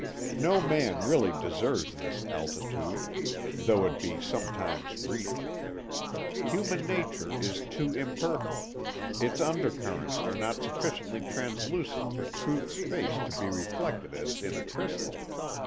No man really deserves this altitude, though it be sometimes reached. Human nature is too imperfect, its undercurrents are not sufficiently translucent for truth's face to be reflected as in a crystal.